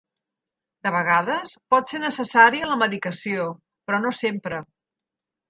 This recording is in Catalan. De vegades pot ser necessària la medicació, però no sempre.